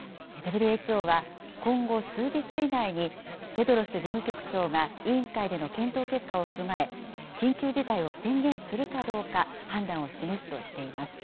ＷＨＯは今後数日以内に、テドロス事務局長が委員会での検討結果を踏まえ、緊急事態を宣言するかどうか判断を示すとしています。